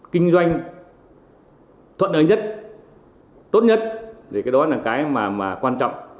kinh doanh thuận lợi nhất tốt nhất thì cái đó là cái mà quan trọng